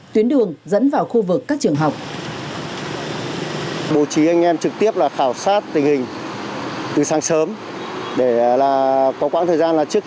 tuyến đường dẫn vào khu vực các trường học